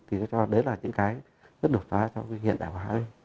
thì nó cho đến là những cái rất đột phá cho hiện đại hóa